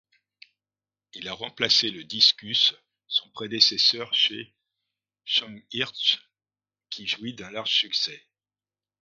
Il a remplacé le Discus, son prédécesseur chez Schempp-Hirth, qui jouit d'un large succès.